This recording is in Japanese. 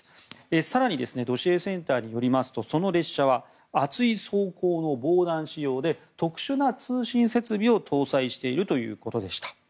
更にドシエセンターによりますとその列車は厚い装甲の防弾仕様で特殊な通信設備を搭載しているということでした。